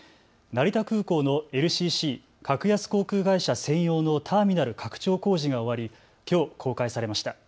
成田空港のＬＣＣ・格安航空会社専用のターミナル拡張工事が終わりきょう公開されました。